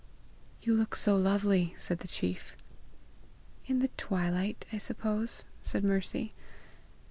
"You look so lovely!" said the chief. "In the twilight, I suppose!" said Mercy.